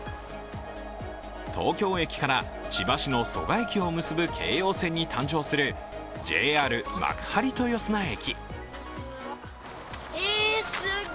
東京駅から千葉市の蘇我駅を結ぶ京葉線に誕生するＪＲ幕張豊砂駅。